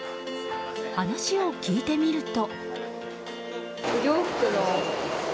話を聞いてみると。